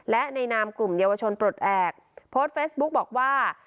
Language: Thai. และในนามกลุ่มเยาวชนปลดแอบโพสต์เฟซบุ๊กบอกว่า